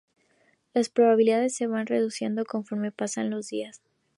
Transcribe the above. Las probabilidades se van reduciendo conforme pasan los días.